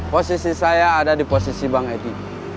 posisi saya ada di posisi bang edi